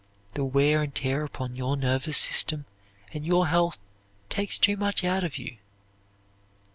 The wear and tear upon your nervous system and your health takes too much out of you.